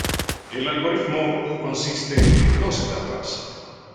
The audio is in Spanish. El algoritmo consiste en dos etapas.